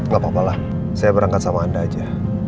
gapapa lah saya berangkat sama anda aja